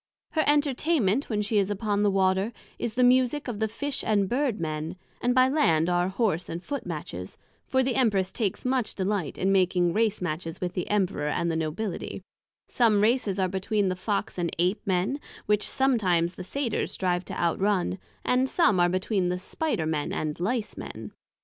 Her Entertainment when she is upon the Water, is the Musick of the Fish and Bird men; and by Land are Horse and Foot matches; for the Empress takes much delight in making Race matches with the Emperor, and the Nobility; some Races are between the Fox and Ape men, which sometimes the Satyrs strive to outrun; and some are between the Spider men and Licemen.